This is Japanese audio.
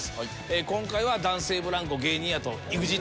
今回は男性ブランコ芸人やとＥＸＩＴのりんたろー。